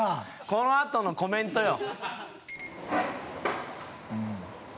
このあとのコメントよ。